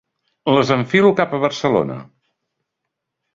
Les enfilo cap a Barcelona.